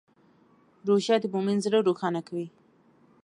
روژه د مؤمن زړه روښانه کوي.